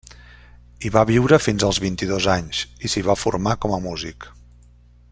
Hi va viure fins als vint-i-dos anys i s’hi va formar com a músic.